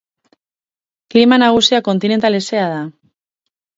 Klima nagusia kontinental hezea da.